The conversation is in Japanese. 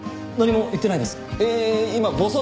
いや言ってないです。